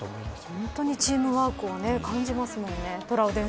本当にチームワークを感じますね。